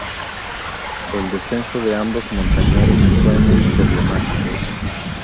El descenso de ambos montañeros fue muy problemático.